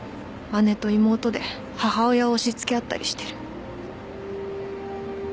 姉と妹で母親を押し付け合ったりしてる。